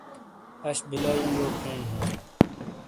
اش بلا یوں جو کھین ہوں ۔